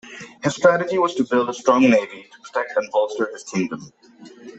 His strategy was to build a strong navy to protect and bolster his kingdom.